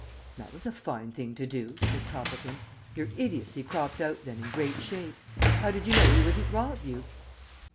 "That was a fine thing to do," said Toppleton. "Your idiocy cropped out then in great shape. How did you know he wouldn't rob you?"